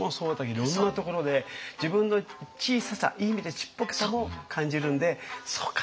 いろんなところで自分の小ささいい意味でちっぽけさも感じるんで「そうか」って。